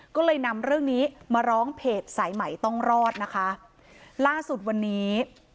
ก็เลยนำเรื่องนี้มาร้องเพจสายใหม่ต้องรอดนะคะล่าสุดวันนี้